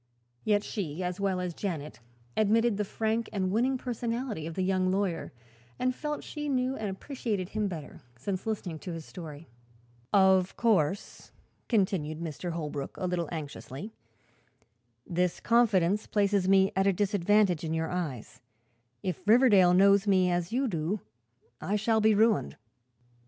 Yet she, as well as Janet, admitted the frank and winning personality of the young lawyer and felt she knew and appreciated him better since listening to his story. "Of course," continued Holbrook, a little anxiously, "this confidence places me at a disadvantage in your eyes. If Riverdale knows me as you do I shall be ruined."